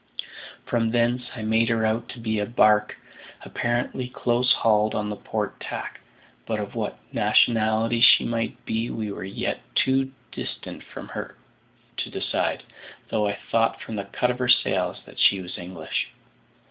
From thence I made her out to be a barque apparently close hauled on the port tack; but of what nationality she might be we were yet too far distant from her to decide, though I thought from the cut of her sails that she was English.